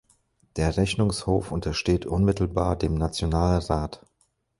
Der Rechnungshof untersteht unmittelbar dem Nationalrat.